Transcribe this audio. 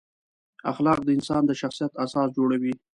اخلاق د انسان د شخصیت اساس جوړوي.